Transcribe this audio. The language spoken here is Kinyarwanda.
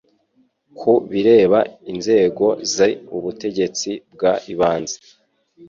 Ku bireba inzego z ubutegetsi bw ibanze